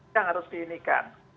yang harus diunikan